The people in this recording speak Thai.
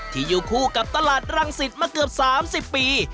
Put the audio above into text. อยู่คู่กับตลาดรังสิตมาเกือบ๓๐ปี